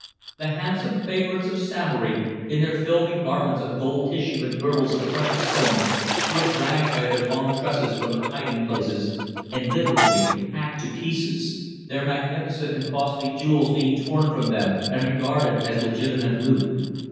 The handsome favourites of Samory in their filmy garments of gold tissue and girdles of precious stones were dragged by their long tresses from their hiding places and literally hacked to pieces, their magnificent and costly jewels being torn from them and regarded as legitimate loot.